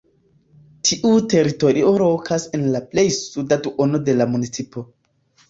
Tiu teritorio lokas en la plej suda duono de la municipo.